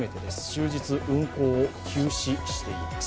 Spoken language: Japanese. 終日、運航を休止しています。